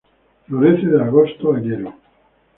Florece de agosto a enero.